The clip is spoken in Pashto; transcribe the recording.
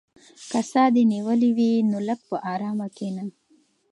که ساه دې نیولې وي نو لږ په ارامه کښېنه.